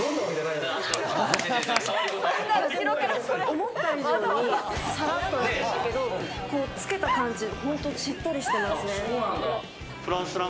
思った以上にさらっとしていますけど、つけた感じ、本当にしっとりしています。